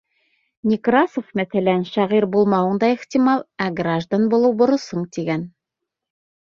Некрасов, мәҫәлән, шағир булмауың да ихтимал, ә граждан булыу — бурысың, тигән.